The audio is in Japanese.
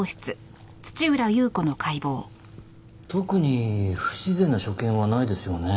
特に不自然な所見はないですよね？